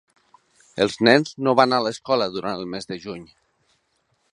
Els nens no van a l'escola durant el mes de juny.